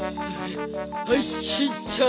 はいしんちゃん。